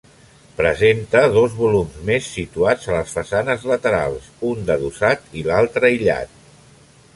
Presenta dos volums més situats a les façanes laterals, un d'adossat i l'altre aïllat.